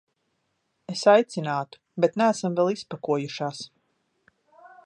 Es aicinātu, bet neesam vēl izpakojušās.